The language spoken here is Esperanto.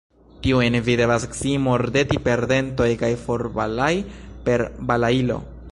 Tiujn vi devas scii mordeti per dentoj kaj forbalai per balailo!